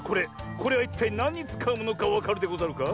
これはいったいなんにつかうものかわかるでござるか？